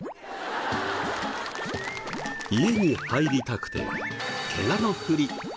家に入りたくてケガのふり。